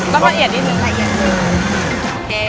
ต้องกัดละเอียดนิดหนึ่ง